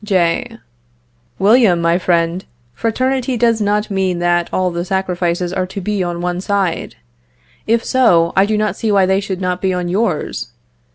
J. William, my friend, fraternity does not mean that all the sacrifices are to be on one side; if so, I do not see why they should not be on yours.